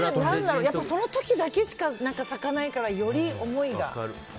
その時だけしか咲かないからより思いが。